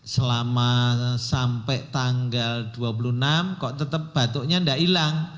selama sampai tanggal dua puluh enam kok tetap batuknya tidak hilang